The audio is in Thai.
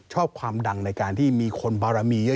ชอบความดังในการที่มีคนบารมีเยอะ